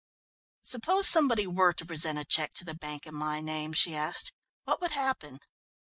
"Suppose somebody were to present a cheque to the bank in my name?" she asked. "What would happen?"